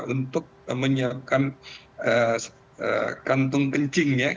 untuk menyiapkan kantung kencing ya